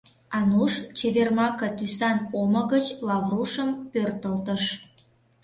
Ануш, чевер маке тӱсан омо гыч Лаврушым пӧртылтыш.